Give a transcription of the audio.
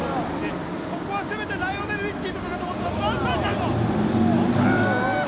せめてライオネル・リッチーかと思ったら、まさかの。